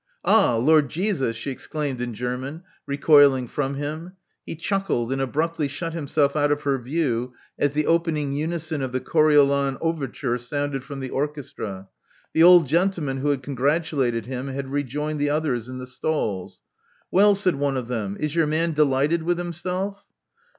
'*Ah, Lord Jesus!" she exclaimed in German, recoiling from him. He chuckled, and abruptly shut himself out of her view as the opening unison of the * 'Coriolan* * overture sounded from the orchestra. The old gentleman who had congratulated him had rejoined the others in the stalls. Well," said one of them: is your man delighted with himself?"